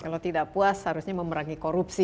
kalau tidak puas harusnya memerangi korupsi